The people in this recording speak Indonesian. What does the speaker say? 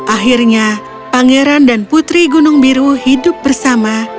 akhirnya pangeran dan putri gunung biru hidup bersama